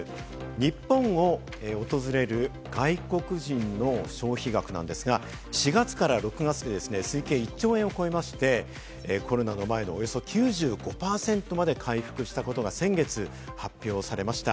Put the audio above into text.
日本を訪れる外国人の消費額なんですが、４月から６月、推計１兆円を超えまして、コロナの前のおよそ９５％まで回復したことが先月発表されました。